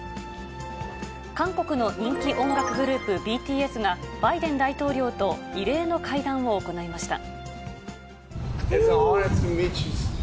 韓国の人気音楽グループ、ＢＴＳがバイデン大統領と異例の会談を行いました。